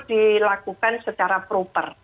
dilakukan secara proper